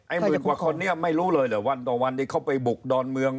หมื่นกว่าคนนี้ไม่รู้เลยเหรอวันต่อวันที่เขาไปบุกดอนเมือง